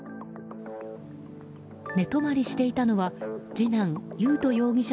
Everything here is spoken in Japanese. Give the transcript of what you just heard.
寝泊まりしていたのは、次男優斗容疑者